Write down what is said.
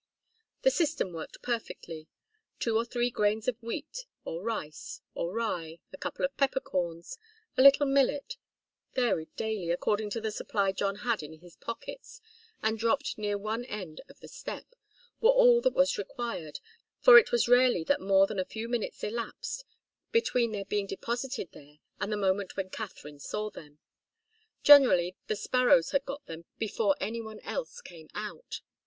The system worked perfectly. Two or three grains of wheat, or rice, or rye, a couple of peppercorns, a little millet, varied daily, according to the supply John had in his pockets, and dropped near one end of the step, were all that was required, for it was rarely that more than a few minutes elapsed between their being deposited there and the moment when Katharine saw them. Generally, the sparrows had got them before any one else came out.